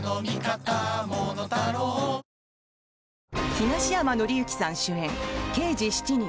東山紀之さん主演「刑事７人」。